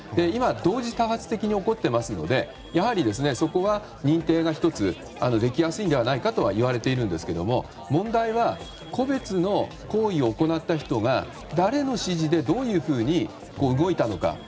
今、同時多発的に起こっていますのでそこは認定ができやすいのではないかといわれているんですが問題は、個別の行為を行った人が誰の指示でどういうふうに動いたのか。